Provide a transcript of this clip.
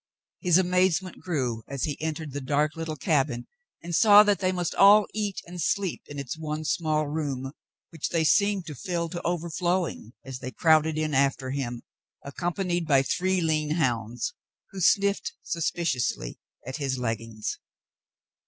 His amazement grew as he entered the dark little cabin and saw that they must all eat and sleep in its one small room, which they seemed to fill to overflowing as they crowded in after him, accompanied by three lean hounds, who sniffed suspiciously at his leggings.